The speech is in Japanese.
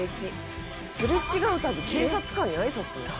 すれ違うたび警察官に挨拶？